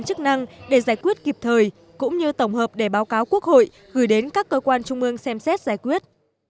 chức năng để giải quyết kịp thời cũng như tổng hợp để báo cáo quốc hội gửi đến các cơ quan trung ương xem xét giải quyết